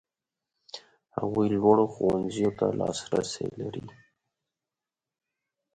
هغوی لوړو ښوونځیو ته لاسرسی لري.